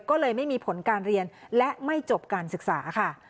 ก็เลยไม่มีผลการเรียนและไม่จบการศึกษาค่ะ